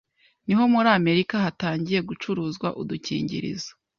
niho muri Amerika hatangiye gucuruzwa udukingirizo